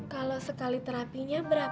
kalau sekali terapinya berapa